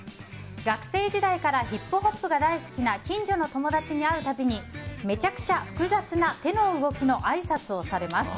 学生時代からヒップホップが大好きな近所の友達に会う度にめちゃくちゃ複雑な手の動きのあいさつをされます。